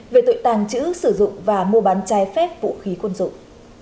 về tội tàng trữ sử dụng và mua bán trái phép vũ khí quân dụng